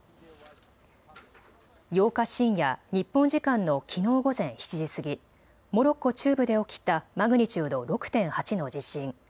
８日深夜、日本時間のきのう午前７時過ぎモロッコ中部で起きたマグニチュード６．８の地震。